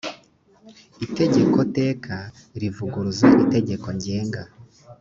itegeko teka rivuguruza itegeko ngenga